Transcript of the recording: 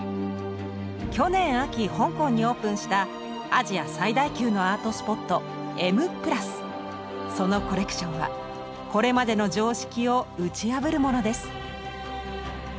去年秋香港にオープンしたアジア最大級のアートスポットそのコレクションはこれまでの常識を打ち破るものです。